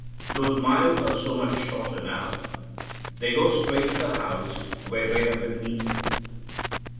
Those miles are so much shorter now! They go straight to the house where they have been meeting.